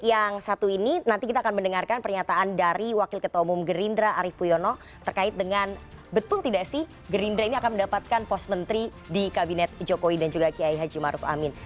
yang satu ini nanti kita akan mendengarkan pernyataan dari wakil ketua umum gerindra arief puyono terkait dengan betul tidak sih gerindra ini akan mendapatkan pos menteri di kabinet jokowi dan juga kiai haji maruf amin